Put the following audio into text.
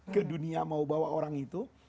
ke dunia mau bawa orang itu